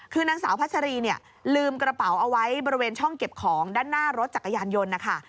คือนางสาวพัชรีเนี่ยลืมกระเป๋าเอาไว้บริเวณช่องเก็บของด้านหน้ารถจักรยานยนต์นะคะ